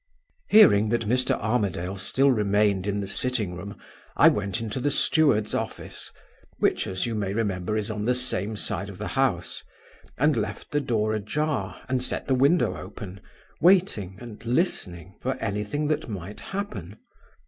"Hearing that Mr. Armadale still remained in the sitting room, I went into the steward's office (which, as you may remember, is on the same side of the house), and left the door ajar, and set the window open, waiting and listening for anything that might happen.